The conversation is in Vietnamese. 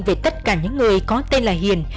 về tất cả những người có tên là hiền